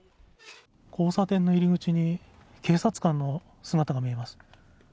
交差点の入り口に警察官の姿が見えます。